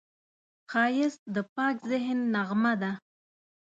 ښایست د پاک ذهن نغمه ده